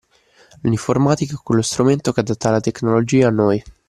L'informatica è quello strumento che adatta la tecnologia a noi.